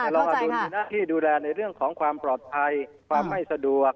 รองอดุลมีหน้าที่ดูแลในเรื่องของความปลอดภัยความไม่สะดวก